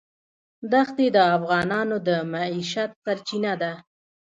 دښتې د افغانانو د معیشت سرچینه ده.